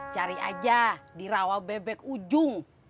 cari aja di rawabebek ujung